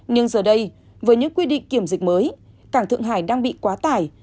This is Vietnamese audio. nhưng giờ đây với những quy định kiểm dịch mới cảng thượng hải đang bị quá tải